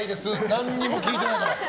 何も聞いてないから！